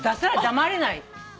黙れない。